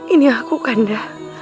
ini aku kanda